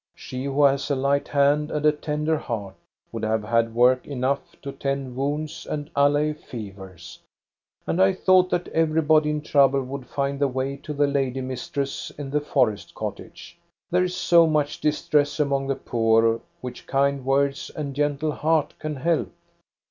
She, who has a light hand and a tender heart, would have had work enough to tend wounds and allay fevers. And I thought that everybody in trouble would find the way to the lady mistress in the forest cottage. There is so much distress among the poor which kind words and a gentle heart can help."